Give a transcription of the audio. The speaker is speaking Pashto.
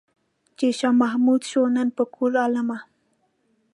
چې شاه محمود شو نن په کور عالمه.